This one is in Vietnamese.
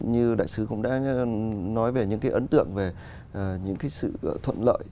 như đại sứ cũng đã nói về những ấn tượng về những sự thuận lợi